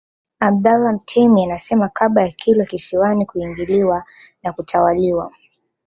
Abdallah Mtemi anasema kabla ya Kilwa Kisiwani kuingiliwa na kutawaliwa